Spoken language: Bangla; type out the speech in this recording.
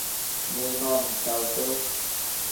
নির্মম চাল তো।